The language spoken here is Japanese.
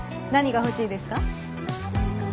何が欲しいですか？